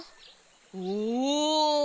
おお！